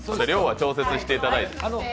量は調節していただいて。